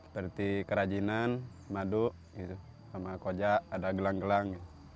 seperti kerajinan madu sama koja ada gelang gelang